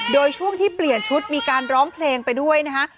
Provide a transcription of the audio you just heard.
โดยช่วงที่เปลี่ยนชุดมีการร้องเพลงไปด้วยนะฮะ